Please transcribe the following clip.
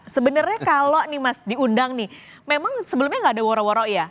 sebenarnya kalau nih mas diundang nih memang sebelumnya nggak ada woro woro ya